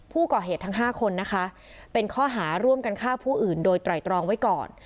ผู้ก่อเหตุทั้ง๕คนนะคะเป็นข้อหาร่วมกันฆ่าผู้อื่นโดยไตรตรองไว้ก่อน